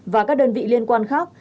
và các đơn vị liên quan khác